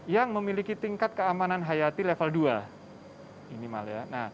yang memiliki tingkat keamanan hayati level dua